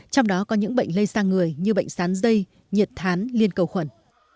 trong đó có những bệnh lây sang người như bệnh sán dây nhiệt thán liên cầu khuẩn